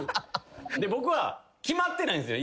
僕は決まってないんすよ